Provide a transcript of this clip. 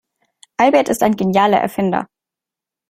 Albert ist ein genialer Erfinder.